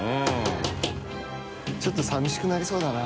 ちょっと寂しくなりそうだな。